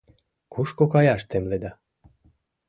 Кушко каяш темледа?